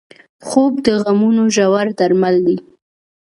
خوب د غمونو ژور درمل دی